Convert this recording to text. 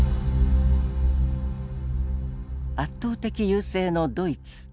圧倒的優勢のドイツ。